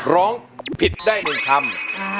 ร้องผิดได้๑คำ